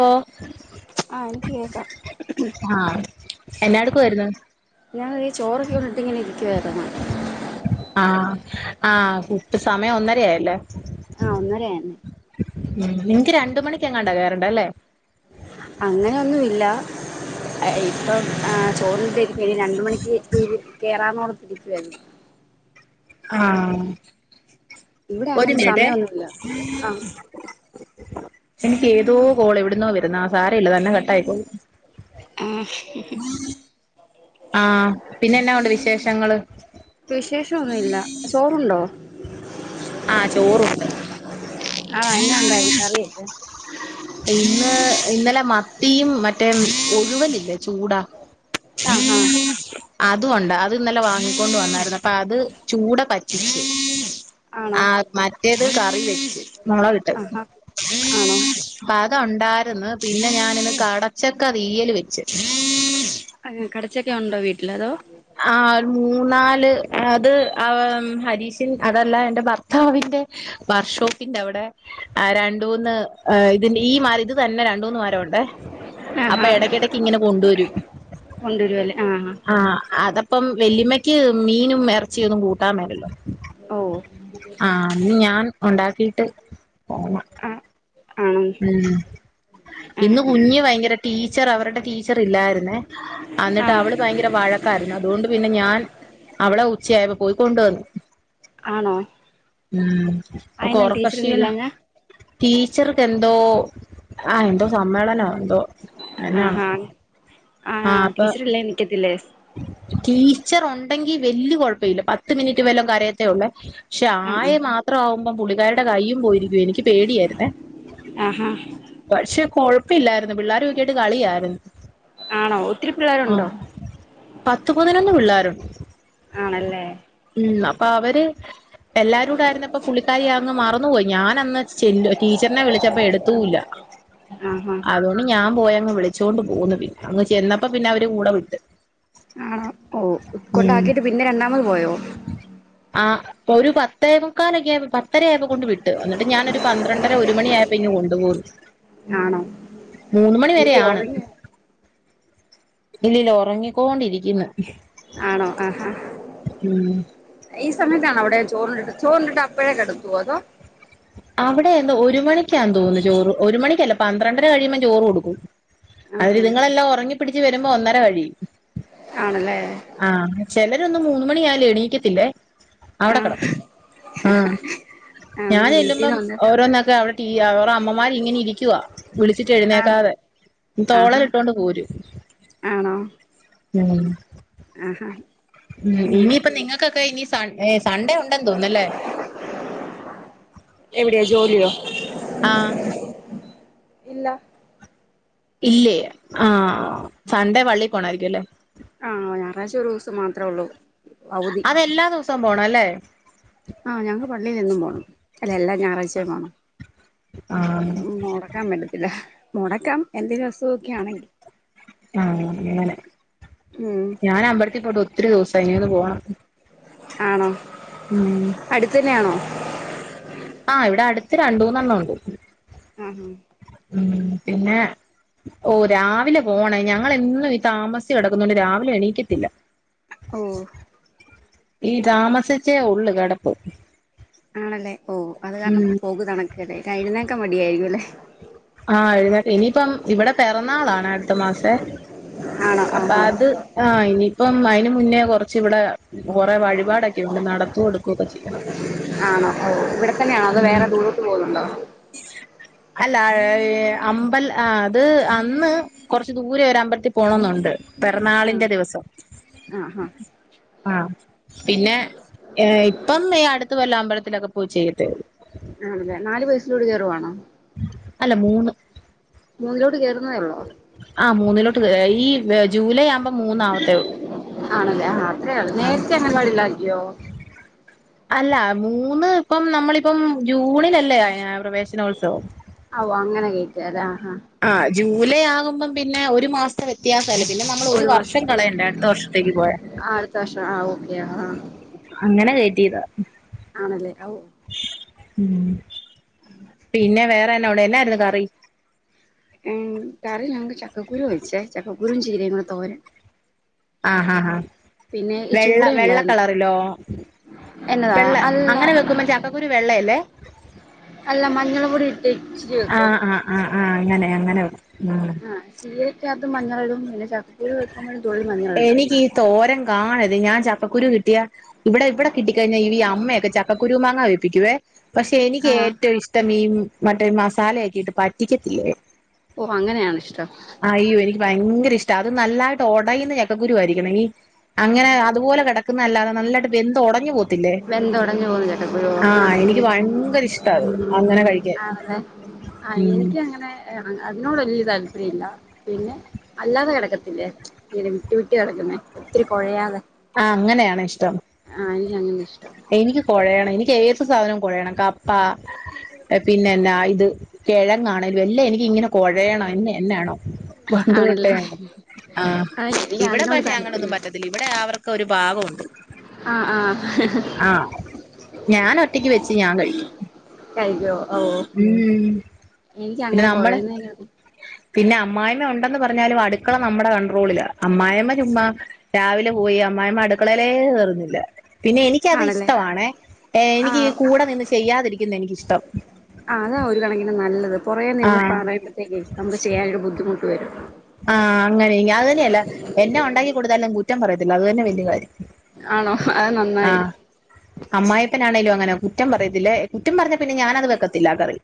ഓ ആ എനിക്ക് കേക്കാം ആഹ് എന്നാ എടുക്കുവായിരുന്നു ഞാൻ തേ ചോറൊക്കെ ഉണ്ടിട്ടിങ്ങനെരിക്കുവായിരുന്നു. ആഹ് ആഹ് പുട്ട് സമയം ഒന്നരായല്ലേ ആ ഒന്നരായെന്ന് ഉം നിൻക്ക് രണ്ട് മണിക്ക് എങ്ങാണ്ടാ കേറണ്ട ലെ അങ്ങനെയോന്നു ഇല്ല ഇപ്പം ആ ചോറ് ഇനി രണ്ട് മണിക്ക് ഇത് കെറാന്നോർത്തിരിക്കുവായ്രുന്നു ആഹ് ഇവിടെ ഒരു അങ്ങനെ മിനിട്ടേ സമയമൊന്നുമില്ല ആഹ് എനിക്ക് ഏതോ കോള് എവിട്ന്നോ വരുന്ന ആ സാരയില്ല തന്നെ കട്ടായി പോയി ആഹ് മ ആഹ് പിന്നെ എന്നാ ഒണ്ട് വിശേഷങ്ങള് വിശേഷം ഒന്നു ഇല്ല ചോറുണ്ടോ ആ. ചോറുണ്ട് ആണോ എന്നാ ഉണ്ടായിരുന്നു കറിയൊക്കെ ഇന്ന് ഇന്നലെ മത്തിയും മറ്റേ ഒഴുവന് ഇല്ലേ ചൂടാ ആഹ് ഹാ അതുഒണ്ട് അത് ഇന്നലെ വാങ്ങിക്കൊണ്ട് വന്നായിരുന്നു അപ്പൊ അത് ചൂട പറ്റിച്ച് ആണോ ആ മറ്റേത് കറി വെച്ച് മോളവിട്ട് ആഹാ ആണോ അപ്പ അത്ഒണ്ടായിരുന്നു പിന്നെ ഞാനിന്ന് കടച്ചക്ക തീയല് വെച് അതെ കടച്ചക്ക ഉണ്ടോ വീട്ടില് അതോ ആ മൂന്നാല് അത് ആ ഹരീഷിൻ അതല്ല എന്റെ ഭർത്താവിന്റെ വർഷോപ്പിന്റെ അവടെ ആ രണ്ട് മൂന്ന് ഇതി ഈ മരം ഇത് തന്നെ രണ്ട് മൂന്ന് മരം ഉണ്ടേ അപ്പൊ ആഹാ എടക്കിടക്ക് ഇങ്ങനെ കൊണ്ടുവരും കൊണ്ടുവരുവല്ലേ ആഹാ ആഹ് അതപ്പം വെല്ലിമ്മക്ക് മീനും ഇറച്ചി ഒന്നും കൂട്ടാൻ മെലല്ലോ ഓ ഇന്ന് ഞാൻ ഉണ്ടാക്കിട്ട് പോ അ ആണ ഉം ഇന്ന് കുഞ്ഞ് ആഹ് ഭയങ്കര ടീച്ചറ് അവര്ടെ ടീച്ചറ്ല്ലായിരുന്നേ അന്നിട്ട് ആഹ് അവള് ഭയങ്കര വഴക്കായിരുന്നു അതുകൊണ്ട് പിന്നെ ഞാൻ അവളെ ഉച്ചയായപ്പോ പോയി കൊണ്ടുവന്ന് ആണോ ഉം ഓക്ക് അയെന്നാ ടീച്ചറൊന്നും ഒറക്കഷീന ഇല്ലാഞ്ഞ ടീച്ചർക്ക് എന്തോ ആ എന്തോ സമ്മേളന എന്തോ ആ ഹാ ആ അപ്പൊ ല്ലേ എണീക്കത്തി ല്ലെ ടീച്ചറ് ഒണ്ടെങ്കി വല്യ കൊഴപ്പ ഇല്ല പത്ത് മിനിറ്റ് വല്ലോം കരയത്തേ ഉള്ളെ പക്ഷെ ആഹ് ആയ മാത്രാവുമ്പം പുള്ളിക്കാരി കയ്യും പോയിരിക്ക എനിക്ക് പേടിയായിരുന്നേ ആഹ് ആഹാ പക്ഷെ കൊഴപ്പില്ലായിര് പിള്ളേരൊക്കായിട്ട് കളിയായിരുന്നു ആണോ ഒത്തിരി പിള്ളെരുണ്ടോ ആഹ് പത്ത് പതിനൊന്നു പിള്ളെര്ണ്ട് ആണല്ലേ ഉം അപ്പൊ അവര് എല്ലാരൂട ആരുന്നപ്പൊ പുള്ളിക്കാരി അന്ന് മറന്നുപോയി ഞാൻന്ന് ചെല്ലു ടീച്ചറിനെ വിളിച്ചപ്പ എടുത്തൂല്ല ആഹ് ആഹ് അതൊണ്ട് ഞാൻ പോയങ്ങ് വിളിച്ചുകോണ്ട് പോന്ന് പിന്നെ അങ് ചെന്നപ്പോ പിന്നെ അവര് കൂടെ വിട്ട് ആണോ ഓ ഉം ക്കൊണ്ടാക്കീട്ട് പിന്നെ രണ്ടാമത് പോയോ ആഹ് ഇപ്പൊ ഒരു പത്തേവക്കാലൊക്കെ പത്തര അയപൊ കൊണ്ട് വിട്ട് എന്നിട്ട് ഞാനൊരു പന്ത്രണ്ടര ഒരു മണിയായപ്പോ ഇ കൊണ്ടുപോന്നു ആണോ മൂന്ന് മണി വരെ എന്ത്യേ ആാണ് ഒറങ്ങിയോ ഇല്ല ഒറങ്ങിക്കോണ്ടിരിക്കുന്നു അണോ ആഹാ ഈ സമയത്താണോ അവടെ ചോറിണ്ടിട്ട് ചോറിണ്ടിട്ട് അപ്പോഴേ കെടക്കുവോ? അതോ? അവിടെ എന്ദോ ഒരു മണിക്കാ തോന്നുന്നു ചോറ് ഒരു മണിക്കല്ല പന്ത്രണ്ടര കഴിയുമ്പോം ചോറ് കൊടുക്കും അതിരി ആഹാ ഇതിങ്ങളെല്ലാം ഒറങ്ങി പിടിച്ച് വരുമ്പോ ഒന്നര കഴിയും ആണല്ലേ? ആഹ് ചെലരൊന്നും മൂന്ന് മണിയായാലും എണീക്കത്തില്ലേ? അവടെ ആഹ് കെടക്കും ആഹ് ആഹ് പിന്നെ ഞാനെല്ലും ഇപ്പം വീട്ടീന്ന് വന്ന് ഓരോന്നൊക്കെ അവടെ ട്ടീയ്യാ ഒരമ്മമാര് ങ്ങനെ ഇരിക്കവാ വിളിച്ചിട്ട് ആഹ് എഴുന്നേക്കാതെ ആഹാ തോളെലിട്ടോണ്ട് പോരും ആണോ? ഉം ആഹാ ഉം ഇനിയിപ്പ നിങ്ങൾക്കൊക്കെ ഇനി സ സൺ ഏ സൻഡേ ഉണ്ടെന്ന് തോന്നല്ലേ? എവിടെയാ ജോലിയോ? ആഹ് ഇല്ല ഇല്ലേ ആഹ് ആഹ് ആ സൺഡേ വള്ളി പോണായിരിക്കും ല്ലേ? ആഹ് ഞായറാഴ്ച ഒരൂസം മാത്രേ ഒള്ളൂ അതെല്ലാ ദിവസവും പോണം അല്ലേ? ആഹ് ഞങ്ങക്ക് പള്ളിയിലെന്നും പോണം അല്ല എല്ലാം ഞായറാഴ്ചയും പോണം ആ ഉം മൊടക്കാൻ പറ്റത്തില്ല മുടക്കാം എന്തേങ്കിലും അസുഖമൊക്കെ ആണെങ്കിൽ ആഹ് അങ്ങനെ ഉം ഞാനമ്പലത്തി പോയിട്ട് ഒത്തിരി ദിവസായി ഇന്ന് ഒന്ന് പോണം ആണോ ഉം അടുത്തന്നേണോ? ആഹ് ഇവിടടുത്ത് രണ്ട മൂന്നെണ്ണം ഉണ്ട് ആഹ് ഹാ ഉം പിന്നെ ഓഹ് രാവിലെ പോണേയ് ഞങ്ങളെന്നും ഈ താമസിച്ചെടക്കുന്നോണ്ട് രാവിലെ എണീക്കത്തില്ല ഓഹ് ഓഹ് ഈ താമസിച്ചേ ഒള്ള് കെടപ്പ് ആണല്ലേ ഓഹ് അത് കാരണം പോക് തണക്കല്ലേ എഴുന്നേക്കാൻ മടിയായിരിക്കും അല്ലെ ആഹ് എഴുന്നേറ്റ ഇനിയിപ്പം ഇവിടെ പിറന്നാളാണ് അടുത്ത മാസെ ആണോ അപ്പാ ആഹ് അത് ആഹ് ഇനിയിപ്പം അയിന് മുന്നേ കൊറച്ച് ഇവിടെ കൊറെേ വഴിപാടൊക്കെ ഉണ്ട് നടത്തോ ടുക്കൊക്കെ ചെയ്യണം ആണോ ഓഹ് ഇവിടെ തന്നെയാണോ അത് വേറെ ദൂരത്ത് പോകുന്നുണ്ടോ? താഴെ ഏ ഏ അമ്പൽ ആ അത് അന്ന് കൊറച്ച് ദൂരെ ഒരു അമ്പലത്തിൽ പോണൊന്നുണ്ട് ആഹ് പിറന്നാളിന്റെ ദിവസം ആഹ് ആഹ് ആഹ് പിന്നെ ഏ ഇപ്പം ഈ അടുത്ത കൊല്ലാമ്പലത്തിലൊക്കെ പോയി ചെയ്യത്തെ ഒള്ളു ആണല്ലേ നാല് വയസ്സിലോട് ചറുവാണോ അല്ല മൂന്ന് മൂന്നിലോട്ട് കേറുന്നതെ ഒള്ളൂ ആഹ് മൂന്നിലോട്ട് ക ഈ ല്ലേ ജൂലൈ ആവുമ്പോ മൂന്നാവത്തേ ഒള്ളൂ ആഹ് [unintelligible] യോ അല്ല മൂന്ന് പ്പം നമ്മളിപ്പം ജൂണിലല്ലേ പ്രവേശനോത്സവം അഹു അങ്ങനെ കെയ്റ്റാല്ലേ ആ ആ ജൂലൈ ആകുമ്പം പിന്നെ ഒരു മാസം വെ വ്യയാസല്ലേ പിന്നെ നമ്മള് ഒരു വർഷം കളയണ്ടേ അടുത്ത വർഷത്തേക്ക് പോയാ തവർഷം ആ ഓക്കെ ആഹ് അങ്ങനെ കേറ്റിയതാ ആണല്ലേ ഔ ഉം പിന്നെ വേറെന്നെ അവിടെ എന്നായിരുന്നു കറി ഉം കറി ഞങ്ങക്ക് ചക്കക്കുരു വെച്ചേ ചക്കക്കുരും ചീരയും കൂടെ തോരൻ ആഹ് ആഹ് ആഹ് പിന്നെ ഈ വെള്ള ചൂട വെള്ള ഉണ്ടായിരുന്നു കളറിലോ എന്നതാ വെള്ള അല്ല അങ്ങനെ വെക്കുമ്പോ ചക്കുരു വെള്ളയല്ലേ അല്ല മഞ്ഞൾ പൊടി ച്ച് രി ആഹ് ആഹ് ആഹ് ആഹ് അങ്ങനെ അങ്ങനെ വെക്കും ഉം ആഹ് ചീരയ്ക്കകത്ത് മഞ്ഞൾ ഇടും പിന്നെ ചക്കൂരി വെക്കുമ്പോഴും തുള്ളി മഞ്ഞള്ടും എനിക്ക് ഈ തോരം കാണത് ഞാൻ ചപ്പക്കുരു കിട്ടിയ ഇവിടെ വിടെ കിട്ടി കഴിഞ്ഞാ ഈ അമ്മയക്കെ ചക്കരു മാങ്ങ വെപ്പിക്കുവേ പക്ഷെ എനിക്ക് ആ ഏറ്റവും ഇഷ്ടം ഈ മറ്റെ മസാല ക്കെയിട്ട് പറ്റിക്കത്തിലെ ഓ അങ്ങനെയണൊ ഷ്ടം ആഹ് അയ്യോ എനിക്ക് ഭയങ്കര ഇഷ്ടാ അത് നല്ലായിട്ട് ഒടയുന്ന ചക്ക കുരു ആയിരിക്കണം ഈ അങ്ങനെ അതുപോലെ കെടക്കുന്നതല്ലാതെ നല്ലായിട്ട് ബെന്ത്‌ ഉടഞ്ഞി പോത്തി വെന്ത് ഒടഞ്ഞു പോന്ന ചക്കക്കുരു എനിക്ക് ഭയങ്കര ഇഷ്ട അത് അങ്ങനെ കഴിക്കാൻ ആണലെ ആഹ് ഉം എനിക്കങ്ങനെ എ അതിനോട് വലിയ താല്പര്യ ഇല്ല പിന്നെ അല്ലാതെ കിടക്കത്തില്ലേ ഈ ര് വിട്ടു വിട്ടി കിടക്കുന്നേ ഒത്തിരി കുഴയാതെ ആഹ് അങ്ങനെയാണ് ഇഷ്ടം ആഹ് എനിക്കങ്ങനെ ഇഷ് എനിക്ക് കൊഴയണം എനിക്ക് ഏത് സാധനവും കൊഴയണം കപ്പ പിന്നെ എന്നാ ഇത് കിഴങ്ങാണെലും വല്ല എനിക്ക് ഇങ്ങനെ കകൊഴയണ്ണം എന്ന എന്നാണോ പണ്ട്തൊട്ടെ ആണല്ലേ അങ്ങനെ ആ എനിക്ക് ഇവിടെ അതിനോട് പക്ഷെ അങ്ങനൊന്നും താല്പര്യമില്ല പറ്റത്തി റ്റതില്ല ഇവിടെ അവർക്ക് ഒരു ഭാഗമുണ്ട് ആഹ് ആഹ് ആഹ് ഞാൻ ഒറ്റക്ക് വെച്ച് ഞാൻ കഴിക്കും കഴിക്കോ ഓ ഉം എനിക്ക് പിന്നെ അങ്ങനെ നമ്മള് കുറയുന്ന- പിന്നെ അമ്മായമ ഉണ്ടെന്ന് പറഞ്ഞാലും അടുക്കള നമ്മുടെ കൺട്രോളില് അമ്മായിമ്മ ചുമ്മാ രാവിലെ പോയി അമ്മായിമ്മ അടുക്കളലേ കേറൂല പിന്നെ എനിക്കത് ആണല്ലേ ഇഷ്ടവാണേ ഏ ആ എനിക്ക് ഈ കു കൂടെ നിന്ന് ചെയ്യാതിരിക്കുന്നതാ എനിക്കിഷ്ടം ആഹ് അതാ ഒരു കണക്കിന് നല്ലത് കുറേ നിന്ന് ആഹ് പറയുമ്പോത്തേക്കേ നമ്മുക് ചെയ്യാനൊരു ബുദ്ധിമുട്ട് വരും ആഹ് അങ്ങനെ അത് തന്നെയല്ല എന്നെ ഉണ്ടാക്കി കൊടുത്താലും കൂറ്റം പറയത്തില്ല അത് തന്നെ വല്യ കാര്യം ആണോ അത് നന്നായി അമ്മായിപ്പനാണേങ്കലോ അങ്ങനെ കുറ്റം പറയത്തില്ലേ കുറ്റം പറഞ്ഞ പിന്നെ ഞാനത് വെക്കത്തില്ല കറി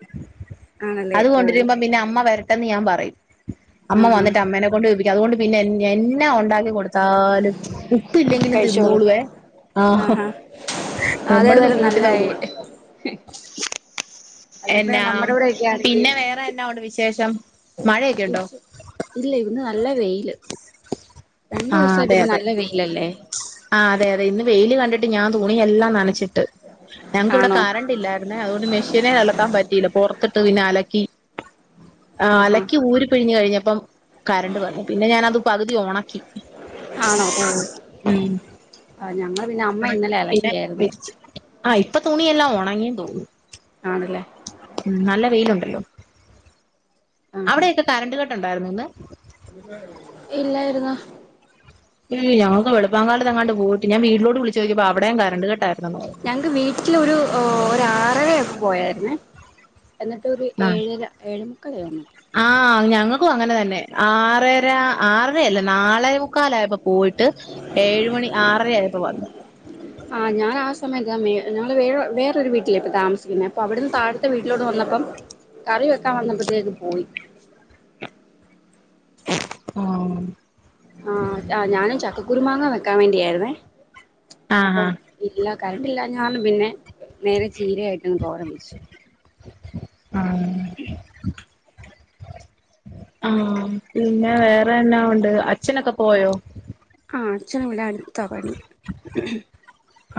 ആണല്ലേ അത് ഓ കൊണ്ടിരിക്കമ്പ പിന്നെ അമ്മ വരടണ്ടെന്ന് ഞാൻ പറയും അമ്മ ആ ആ വന്നിട്ട് അമ്മനെ കൊണ്ട് വെപ്പി അതുകൊണ്ട് പിന്നെ എന്നന്ന ഉണ്ടാക്കി കൊടുത്താലും ഉപ്പ് ഇല്ലെങ്കിലും തിന്നളുവേ ആഹ് നമ്മള് അതെതാലും കൂട്ടി നല്ലായി നോക്കും അല്ലെ പിന്നെ എന്നാ നമ്മുടെ ഇവിടെയൊക്കെ ആണെങ്കി പിന്നെ വേറെന്നാ ഉണ്ട് വിശേഷം മഴയൊക്കെ ഉണ്ടോ വിഷ് ഇല്ല ഇന്ന് നല്ല വെയില് രണ്ടു ആഹ് അതെ ദിവസമായിട്ട്പ അതെ നല്ല വെയിലല്ലേ ആ അതെ അതെ ഇന്ന് വെയില് കണ്ടിട്ട് ഞാൻ തുണിയെല്ലാം നനച്ചിട്ട് ഞങ്ങക്ക് ഇവിടെ ആണോ കറണ്ട്ല്ല. പിന്നെ അതുകൊണ്ട് മെഷീനെ അലക്കാൻ പറ്റിയില്ല പുറത്തിട്ട് പിന്നെ അലക്കി ആ ആഹാ അലക്കി ഊര് പിഴിഞ്ഞഞ് കഴിഞ്ഞപ്പം കരണ്ട് വന്നു പിന്നെ ഞാനത് പകുതി ഉണക്കി ആണോ ഓ ഉം ആ ഞങ്ങൾ പിന്നെ അമ്മ ഇന്നലെ അലക്കിയായിരുന്നു ആഹ് ഇപ്പൊ തുണിയെല്ലാം ഉണങ്ങിയെന്ന് തോന്നൂ ആണല്ലേ ഉ നല്ല വെയിലുണ്ടല്ലോ ആഹാ അവിടെക്കെ കറണ്ട് കെട്ട് ണ്ടായിരുന്നൊ ഇന്ന്? ഇല്ലായിരുന്നു ഞൾക്ക് വളുപ്പംകാല തങ്ങാണ്ട് പോയിട്ട്ഞാൻ വീടിലോട്ട് വിളിച്ച ചോയിചപ്പോ അവിടെയും കറണ്ട് കട്ടായിരുന്നു ഞങ്ങക്ക് വീട്ടിലൊരു ഒരു ആറര ഒക്കെ പോയായിരുന്നേ എന്നിട്ട് ഒരു ഏഴര എഴെമുക്കാലായി വന്നപ്പോ ആഹ ഞങ്ങൾക്കും അങ്ങനെ തന്നെ ആറര ആറരയല്ല നാളെ മുക്കാലായപ്പോ പോയിട്ട് ഏഴമണി ആറര ആയപ്പോ വന്ന് [unintelligible] ആ ഞാ ആ സമയ ഞങ്ങള്ൾ വേ വേററെരു വീട്ടിലേ ഇപ്പൊ താമസിക്കുന്നേ അപ്പൊ അവിടുന്ന് താഴത്തെ വീട്ടിലോട്ട് വന്നപ്പം കറി വെക്കാൻ വന്നപ്പോഴത്തേക്ക് പോയി ആഹ ആഹ ആ ഞാനും ചക്കക്കുരുമാങ്ങ വെക്കാൻ വേണ്ടിയായിരുന്നേ ആ അപ്പം ആ ഇല്ല കറണ്ട് ഇല്ല ഞ പിന്നെ നേരെ ചീരയായിട്ട്ന്ന് തോരൻ വച്ച് ആ ആഹ പിന്നെ വേറെ എന്നാ ഉണ്ട് അച്ഛനൊക്കെ പോയോ ആ അച്ഛനു ഇവിടെ അടുത്താ പണി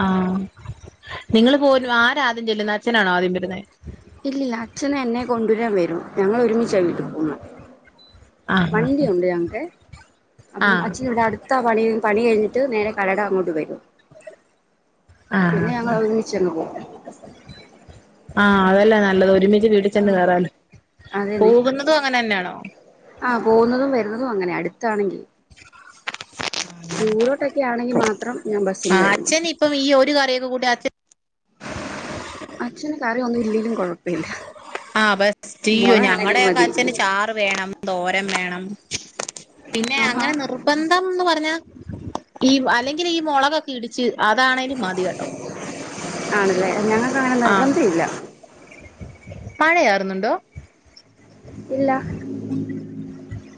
ആഹ നിങ്ങള് പോ ആരാ ആദ്യം ചെല്ലുന്ന അച്ഛനാണോ ആദ്യം വരുന്നത് ഇല്ല അച്ഛനെന്നെ കൊണ്ടുവരാൻ വരും ഞങ്ങൾ ഒരുമിച്ച വീട്ടി പോവുന്നേ ആ വണ്ടിയുണ്ട് ഞങ്ങക്കേ ആ അപ്പം അച്ഛന ഇവിടെ അടു ടുത്ത പണി പണി കഴിഞ്ഞിട്ട് നേരെ കടേടെ അങ്ങോട്ട് വരും ആ പിന്നെ ഞങ്ങൾ ഒരുമിച്ചങ്ങ് പോവും ആഹ് അതല്ലേ നല്ലത് ഒരുമിച്ച് വീടിചേന്ന് ആഹ് കേയറാലോ പോകുന്നതും അങ്ങനെ തന്നെയാണോ ആ പോവുന്നതും വരുന്നതും അങ്ങനെ തന്നെയാ അടുത്താണെങ്കിൽ ദൂരോട്ടൊക്കെ ആണെങ്കിൽ മാത്രം ഞാൻ ബസ്സിന് വൈകും അപ്പം ഈ ഒരു കറിയൊക്ക കൂടി അച്ഛൻ അച്ഛന് കറിയൊന്നും ഇല്ലേലും കുഴപ്പമില്ല ആഹ് ബസ് റ്റ് യീ്യോ മുളകാണേലും ഞങ്ങളടെയൊക്കെ മതി അച്ഛന് ചാറ് വേണം തോരം വേണം പിന്നെ ആഹാ അങ്ങനെ നിർബന്ധംന്ന് പറഞ്ഞാ ഈ അല്ലെങ്കിൽ ഈ മുളകൊ ഇടിച്ച് അതാണേലും മതി കേട്ടോ ആണല്ലേ ഞങ്ങൾക്ക് അങ്ങനെ ആഹ നിർബന്ധം ഇല്ല മഴയാറുന്നുണ്ടോ ഇല്ല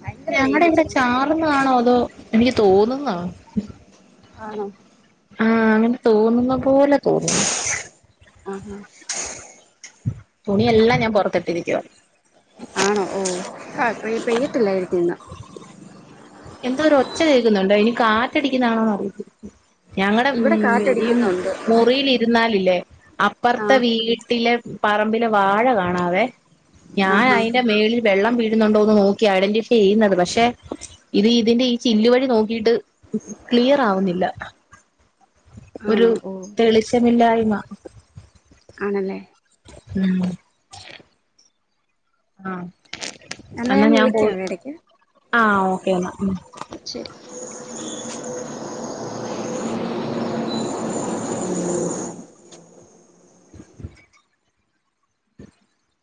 ഭയങ്കര ഞങ്ങടെ വെയില് എന്റെ ചൂട് ആവി ചാറന്നാണോ അതോ എനിക്ക് തോന്നുന്നതാണോ ആണോ ആഹ അങ്ങനെ തോന്നുന്ന പോലെ തോന്നുന്നു ആഹ തുണിയെല്ലാം ഞാൻ പുറത്തിട്ടിരിക്കുവാ ആണോ ഓ ആ പെയ്യാതില്ലായിരിക്കും എന്നാ എന്തോ ഒരു ഒച്ച കേൾക്കുന്നുണ്ടോ ഇനി കാറ്റടിക്കുന്നാണോന്ന് അറിയത്തില്ല ഞങ്ങളടെ ഇവിടെ ഈ കാറ്റടിക്കുന്നുണ്ട് മുറിൽ ഇരുന്നാലില്ലേ അപ്പുറത്തെ ആഹ് വീട്ടിലെ പറമ്പില് വാഴ കാണാവേ ഞാൻ ആഹാ അയിന്റെ മേളിൽ വെള്ളം വീഴുന്നുണ്ടോ എന്ന് നോക്കി ഐഡന്റിഫൈ ചെയ്യുന്നത്. പക്ഷെ ഇത് ഇതിന്റെ ഈ ചില്ലല് വഴി നോക്കിയിട്ട് ക്ലിയർ ആവുന്നില്ല. ഒരു ആണോ ഓ തെളിച്ചമില്ലായ്മ ആണല്ലേ ഉം ആഹ എന്നാ ഞാൻ പോയി ആഹ ഓക്കേ എന്നാ ശരി [unintelligible]